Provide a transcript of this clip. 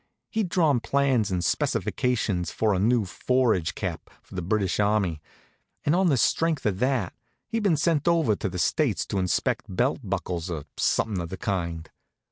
He'd drawn plans and specifications for a new forage cap for the British army, and on the strength of that he'd been sent over to the States to inspect belt buckles, or somethin' of the kind.